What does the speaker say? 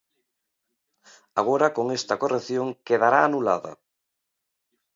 Agora, con esta corrección, quedará anulada.